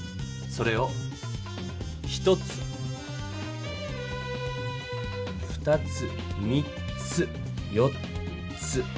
それを１つ２つ３つ４つ５つ。